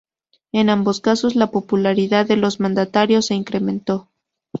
En ambos casos, la popularidad de los mandatarios se incrementó.